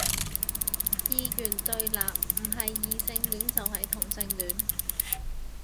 二元對立，唔係異性戀就係同性戀